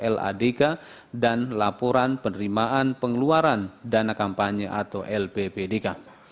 ladk dan laporan penerimaan pengeluaran dana kampanye atau lppdk